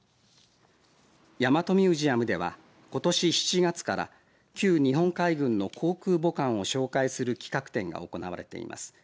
大和ミュージアムではことし７月から旧日本海軍の航空母艦を紹介する企画展が行われています。